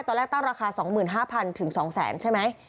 ตอนแรกต้องราคา๒๕๐๐๐ถึง๒๐๐๐๐๐ใช่ไหม